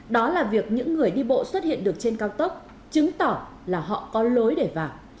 đó là việc những người đi bộ xuất hiện được trên cao tốc chứng tỏ là họ có lối để vào